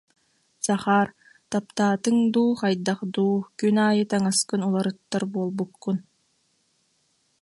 Захар, таптаатыҥ дуу, хайдах дуу, күн аайы таҥаскын уларыттар буолбуккун